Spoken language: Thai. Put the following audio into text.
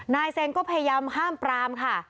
นายเซ็นก็พยายามห้ามปรามค่ะ